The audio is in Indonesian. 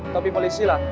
topi polisi lah